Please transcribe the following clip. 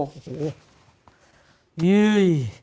โอ้โฮ